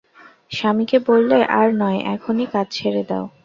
স্বামীকে বললে, আর নয়, এখনই কাজ ছেড়ে দাও।